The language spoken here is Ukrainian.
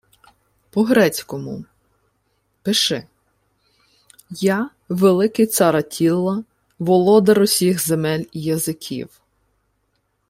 — По-грецькому. Пиши: «Я, великий цар Аттіла, володар усіх земель і язиків...»